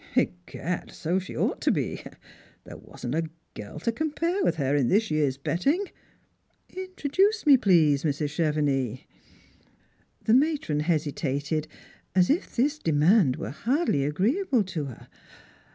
" Egad, so she ought to be. There wasn't a girl to compare with bor in this year's betting. Introduce me, please, Sirs. Chevenix." The matron hesitated, as if this demand were hardly agreeable to her.